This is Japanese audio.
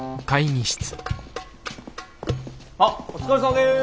あっお疲れさまです！